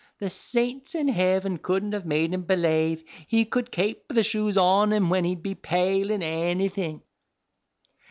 The saints in heaven couldn't have made him belave he cud kape the shoes on him when he'd be payling anything.